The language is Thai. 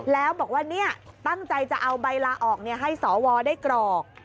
แล้วบอกว่าตั้งใจจะเอาใบลาออกให้สวได้กรอก